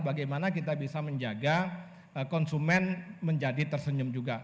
bagaimana kita bisa menjaga konsumen menjadi tersenyum juga